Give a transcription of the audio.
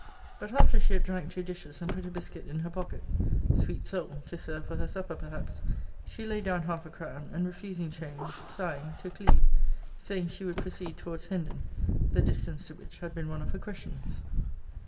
But after she had drank two dishes, and put a biscuit in her pocket, [sweet soul! to serve for her supper, perhaps,] she laid down half a crown; and refusing change, sighing, took leave, saying she would proceed towards Hendon; the distance to which had been one of her questions.